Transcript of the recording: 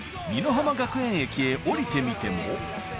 浜学園駅へ降りてみても。